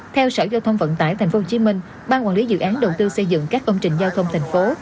theo sở giao thông vận tải tp hcm ban quản lý dự án đầu tư xây dựng các công trình giao thông thành phố